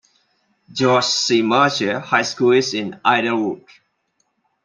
George C. Marshall High School is in Idylwood.